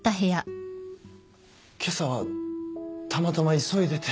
けさはたまたま急いでて。